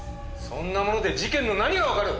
そんなもので事件の何がわかる！